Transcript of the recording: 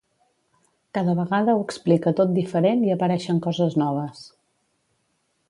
Cada vegada ho explica tot diferent i apareixen coses noves.